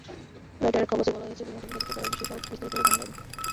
রয়টার্সের খবরে বলা হয়, বিমানটি ভূপাতিত করার বিষয়ে বিস্তারিত কিছু জানা যায়নি।